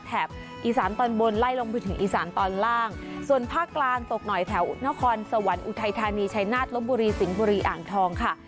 อีสานตอนบนไล่ลงไปถึงอีสานตอนล่างส่วนภาคกลางตกหน่อยแถวนครสวรรค์อุทัยธานีชัยนาฏลบบุรีสิงห์บุรีอ่างทองค่ะ